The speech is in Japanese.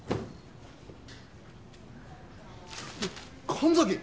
神崎！？